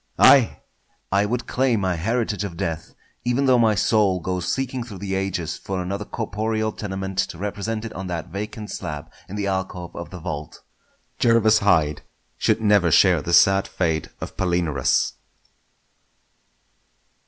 Aye! I would claim my heritage of death, even though my soul go seeking through the ages for another corporeal tenement to represent it on that vacant slab in the alcove of the vault. Jervas Hyde should never share the sad fate of Palinurus!